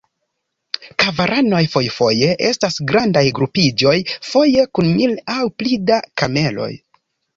Karavanoj fojfoje estas grandaj grupiĝoj, foje kun mil aŭ pli da kameloj.